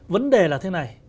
vấn đề là thế này